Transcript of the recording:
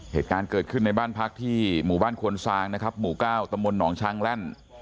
เหตุการณ์เกิดขึ้นในบ้านพักที่หมู่บ้านคนซางหมู่ก้าวตมนต์นอกช่างแหล่น